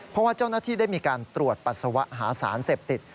เพราะว่าเจ้าหน้าที่ได้มีการตรวจปัสสาวะหาสารเสพติด